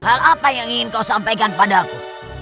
hal apa yang ingin kau sampaikan padaku